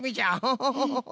ホホホホ。